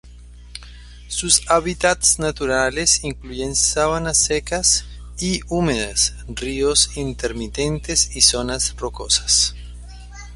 Sus hábitats naturales incluyen sabanas secas y húmedas, ríos intermitentes y zonas rocosas.